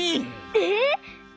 えっ！？